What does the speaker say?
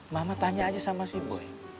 mama tanya aja sama si ibu